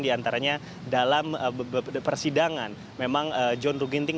diantaranya dalam persidangan memang john ruh ginting